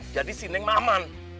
jadi si neng aman